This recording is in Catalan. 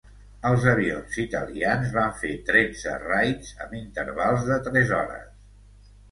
Els avions italians van fer tretze raids, amb intervals de tres hores.